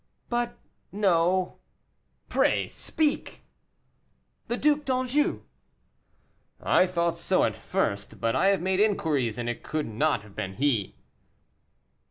"But, no." "Pray speak." "The Duc d'Anjou." "I thought so at first, but I have made inquiries, and it could not have been he."